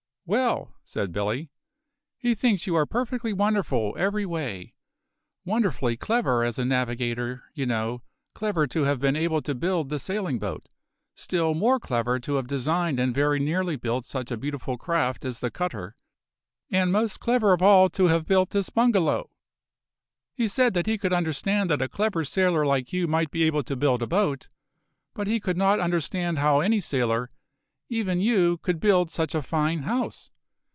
"Well," said Billy, "he thinks you are perfectly wonderful, every way. Wonderfully clever as a navigator, you know; clever to have been able to build the sailing boat; still more clever to have designed and very nearly built such a beautiful craft as the cutter; and most clever of all to have built this bungalow. He said that he could understand that a clever sailor like you might be able to build a boat; but he could not understand how any sailor even you could build such a fine house.